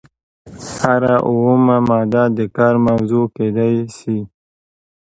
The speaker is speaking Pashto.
هره اومه ماده د کار موضوع کیدای شي.